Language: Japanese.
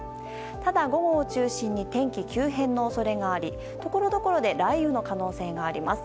ただ、午後を中心に天気急変の恐れがありところどころで雷雨の可能性があります。